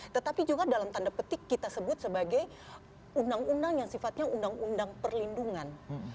tetapi juga dalam tanda petik kita sebut sebagai undang undang yang sifatnya undang undang perlindungan